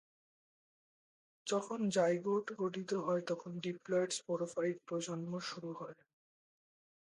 যখন জাইগোট গঠিত হয় তখন ডিপ্লয়েড স্পোরোফাইট প্রজন্ম শুরু হয়।